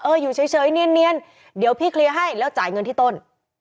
อยู่เฉยเนียนเดี๋ยวพี่เคลียร์ให้แล้วจ่ายเงินที่ต้น